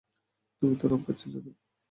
তুমি তো রাম খাচ্ছিলে, না?